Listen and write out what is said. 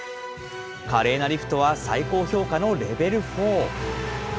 華麗なリフトは最高評価のレベルフォー。